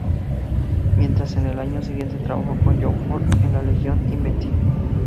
Mientras que al año siguiente trabajó con John Ford en "La legión invencible".